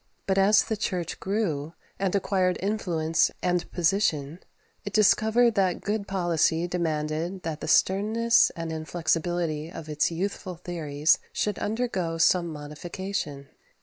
But as the Church grew, and acquired influence and position, it discovered that good policy demanded that the sternness and inflexibility of its youthful theories should undergo some modification.